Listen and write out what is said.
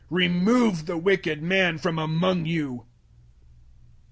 Remove the wicked man from among you.